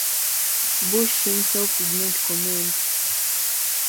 Bush himself did not comment.